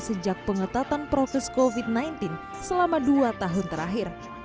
sejak pengetatan proses covid sembilan belas selama dua tahun terakhir